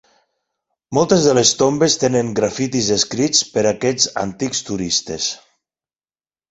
Moltes de les tombes tenen grafitis escrits per aquests antics turistes.